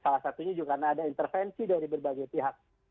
salah satunya juga karena ada intervensi dari berbagai pihak